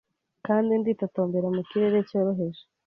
Kandi nditotombera mu kirere cyoroheje